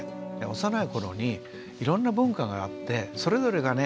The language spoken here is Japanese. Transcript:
幼い頃にいろんな文化があってそれぞれがね